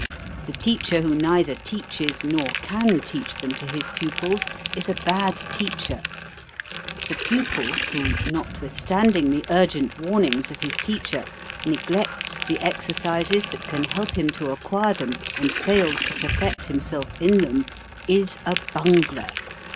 The teacher who neither teaches nor can teach them to his pupils is a bad teacher; the pupil who, notwithstanding the urgent warnings of his teacher, neglects the exer cises that can help him to acquire them, and fails to perfect himself in them, is a bungler.